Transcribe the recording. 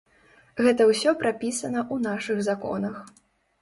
Гэта ўсё прапісана ў нашых законах.